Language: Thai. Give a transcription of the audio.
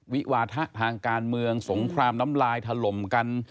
วิวาทะทางการเมืองสงครามน้ำลายถล่มกัน